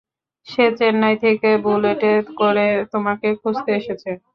সে চেন্নাই থেকে বুলেটে করে তোমাকে খুঁজতে এসেছে।